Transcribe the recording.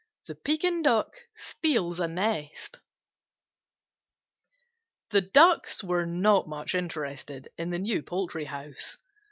THE PEKIN DUCK STEALS A NEST The Ducks were not much interested in the new poultry house.